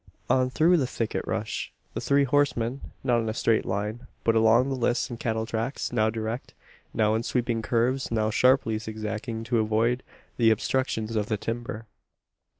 On through the thicket rush the three horsemen; not in a straight line, but along the lists and cattle tracks now direct, now in sweeping curves, now sharply zigzagging to avoid the obstructions of the timber.